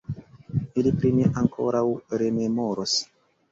Ili pri mi ankoraŭ rememoros!